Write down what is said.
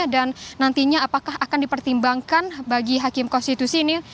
dan nantinya apakah akan dipertimbangkan bagi hakim konstitusi ini